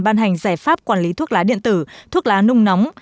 ban hành giải pháp quản lý thuốc lá điện tử thuốc lá nung nóng